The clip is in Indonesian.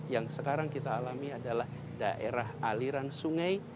yang sekarang kita alami adalah daerah aliran sungai